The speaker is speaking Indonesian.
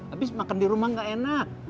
habis makan di rumah gak enak